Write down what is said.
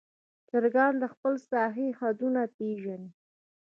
چرګان د خپل ساحې حدود پېژني.